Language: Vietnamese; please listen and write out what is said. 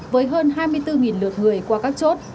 với hơn hai mươi bốn lượt người qua các chốt